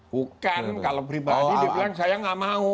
bukan kalau pribadi dibilang saya nggak mau